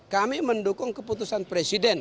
kami mendukung keputusan presiden